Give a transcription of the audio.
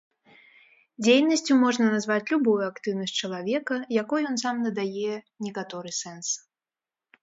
Дзейнасцю можна назваць любую актыўнасць чалавека, якой ён сам надае некаторы сэнс.